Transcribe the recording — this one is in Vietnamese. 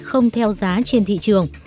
không theo giá trên thị trường